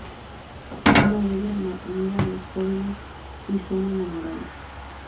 Una de ella mira a los jóvenes y son enamorados.